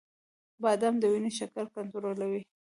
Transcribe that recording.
• بادام د وینې شکر کنټرولوي.